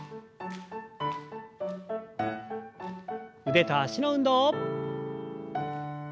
腕と脚の運動。